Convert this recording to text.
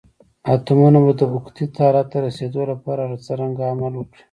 اتومونه به د اوکتیت حالت ته رسیدول لپاره څرنګه عمل وکړي؟